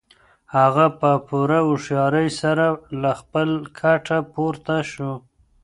هغه په پوره هوښیارۍ سره له خپل کټه پورته شو.